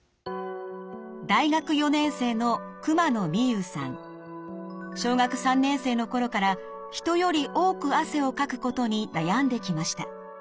大学４年生の小学３年生の頃から人より多く汗をかくことに悩んできました。